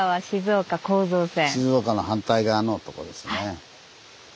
静岡の反対側のとこですね。